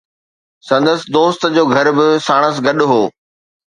سندس دوست جو گهر به ساڻس گڏ هو.